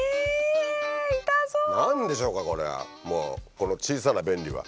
この小さな便利は。